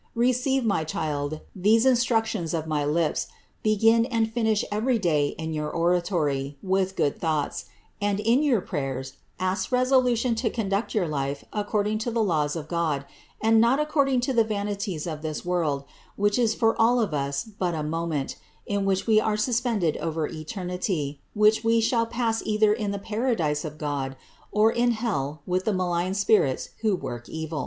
Receive, my child, these instructions of my lips ; begin and finish eycry day in your oratory, with good thoughts, and, in your prayers, ask resolution to con duct your life according to the laws of God, and not according to the vanities of this world, which is for all of us but a moment, in which we are suspended over eternity, which we shall pass either in the paradise of God, or in hell with tlie inalign spirits who work eviL ' Madame de Motteville.